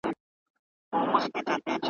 دی مجبور دی شاته نه سي ګرځېدلای `